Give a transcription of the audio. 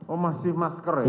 oh masih masker ya